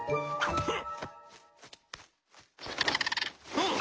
フン。